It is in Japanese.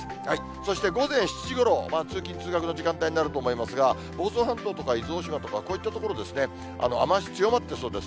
そして午前７時ごろ、通勤・通学の時間帯になると思いますが、房総半島とか伊豆大島とか、こういった所、雨足強まってそうです。